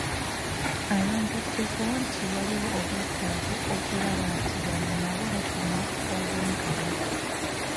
Ayongeddeko nti waliwo obwetaavu okulaba nti bano nabo bafuna obwenkanya .